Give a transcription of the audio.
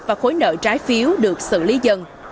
và khối nợ trái phiếu được xử lý dần